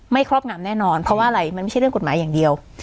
ครอบงามแน่นอนเพราะว่าอะไรมันไม่ใช่เรื่องกฎหมายอย่างเดียว